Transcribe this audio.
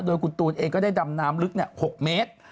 โดยคุณตูนเองก็ได้ดำน้ำลึก๖เมตร